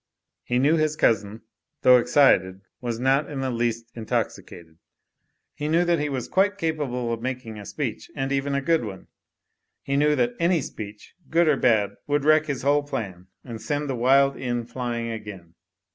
He knew his cousin, though excited, was not in the least intoxicated; he knew he was quite capable of making a speech and even a good one. He knew that any speech, good or bad, would wreck his whole plan and send the wild inn flying again.